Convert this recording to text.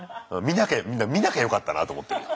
見なきゃよかったなと思ってるよ。